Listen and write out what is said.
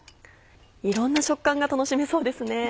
いろんな食感が楽しめそうですね。